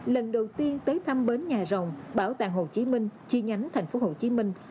lần đầu tiên tới thăm bến nhà rồng bảo tàng hồ chí minh chi nhánh thành phố hồ chí minh